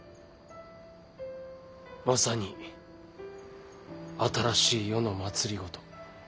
まさに新しい世の政。